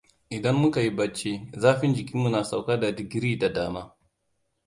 Idan muka yi bacci, zafin jikinmu na sauka da digiri da dama.